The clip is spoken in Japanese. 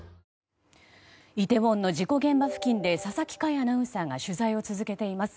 イテウォンの事故現場付近で佐々木快アナウンサーが取材を続けています。